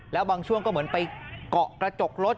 แล้วบางช่วงก็เหมือนไปเกาะกระจกรถ